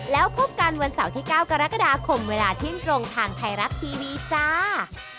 แล้วพบกันวันเสาร์ที่๙กรกฎาคมเวลาเที่ยงตรงทางไทยรัฐทีวีจ้า